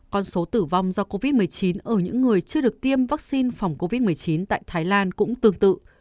con số tử vong do covid một mươi chín ở những người chưa được tiêm vaccine phòng covid một mươi chín tại thái lan cũng tương tự